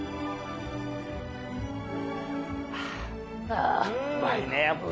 あぁうまいねやっぱり。